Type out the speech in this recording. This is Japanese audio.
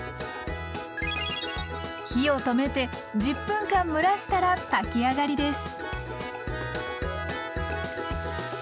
火を止めて１０分間蒸らしたら炊きあがりです。